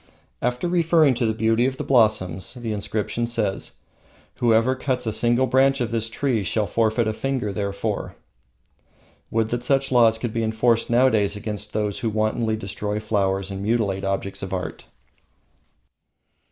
After referring to the beauty of the blossoms, the inscription says: "Whoever cuts a single branch of this tree shall forfeit a finger therefor." Would that such laws could be enforced nowadays against those who wantonly destroy flowers and mutilate objects of art!